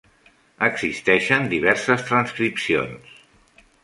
Existeixen diverses transcripcions.